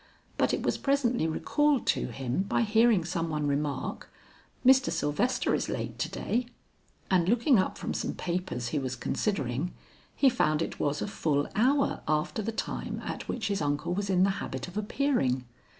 But it was presently recalled to him by hearing some one remark, "Mr. Sylvester is late to day," and looking up from some papers he was considering, he found it was a full hour after the time at which his uncle was in the habit of appearing.